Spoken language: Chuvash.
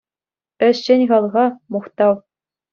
Ӗҫчен халӑха — мухтав!